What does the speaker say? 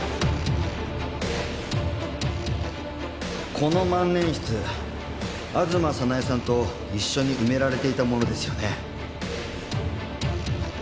この万年筆吾妻早苗さんと一緒に埋められていたものですよね？